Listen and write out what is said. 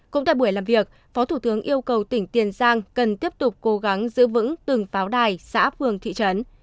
cũng tại buổi làm việc phó thủ tướng yêu cầu tỉnh tiền giang cần tiếp tục cố gắng giữ vững từng pháo đài xã phường thị trấn